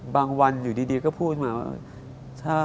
วันอยู่ดีก็พูดมาว่า